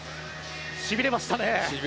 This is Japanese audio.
しびれましたね。